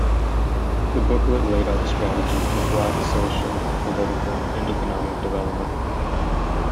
The booklet laid out a strategy for Black social, political, and economic development.